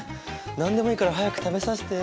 何でもいいから早く食べさせて。